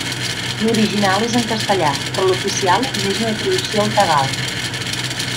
L'original és en castellà, però l'oficial n'és una traducció al tagal.